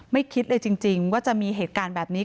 คิดเลยจริงว่าจะมีเหตุการณ์แบบนี้